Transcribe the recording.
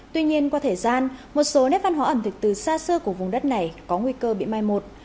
tuy nhiên qua thời gian một số nét văn hóa ẩm thực từ xa xưa của vùng đất này có nguy cơ bị mai một